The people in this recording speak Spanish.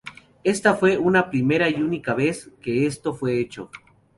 Esta fue una primera y única vez que esto fue hecho.